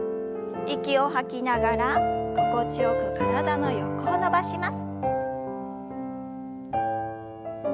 息を吐きながら心地よく体の横を伸ばします。